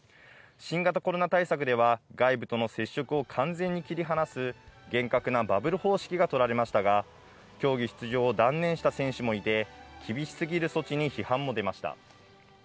新型コロナ対策では外部との接触を完全に切り離す厳格なバブル方式がとられましたが、競技出場を断念した選手もいて厳しすぎる措置に批判も出ました。